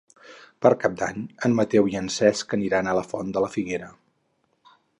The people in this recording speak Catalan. Per Cap d'Any en Mateu i en Cesc aniran a la Font de la Figuera.